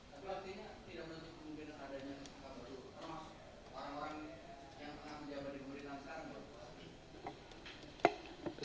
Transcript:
karena orang orang yang menang jawab di murni naskar belum berpulang